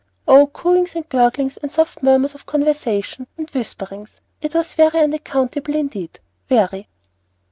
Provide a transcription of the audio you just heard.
"Oh, cooings and gurglings and soft murmurs of conversation and whisperings. It was very unaccountable indeed, very!"